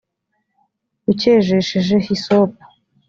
ucyejesheje hisopu